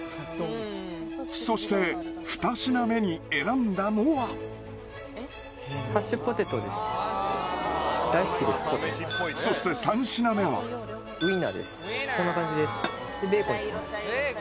そして２品目に選んだのはそして３品目はこんな感じです